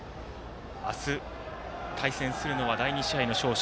明日、対戦するのは第２試合の勝者